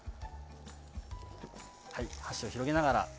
箸を広げながら。